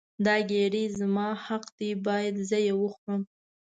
دا ګیډۍ زما حق دی باید زه یې وخورم.